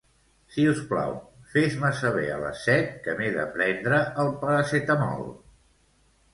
Si us plau, fes-me saber a les set que m'he de prendre el Paracetamol.